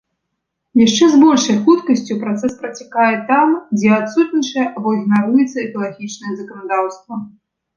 Яшчэ з большай хуткасцю працэс працякае там, дзе адсутнічае або ігнаруецца экалагічнае заканадаўства.